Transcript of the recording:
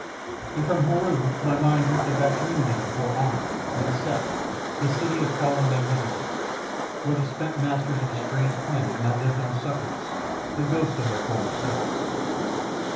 And from Heru my mind drifted back dreamily to poor An, and Seth, the city of fallen magnificence, where the spent masters of a strange planet now lived on sufferance the ghosts of their former selves.